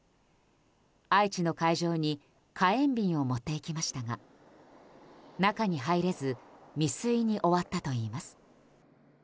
愛知の会場に火炎瓶を持っていきましたが中に入れず未遂に終わったといいます。